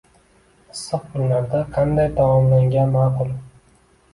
Issiq kunlarda qanday taomlangan ma'qul?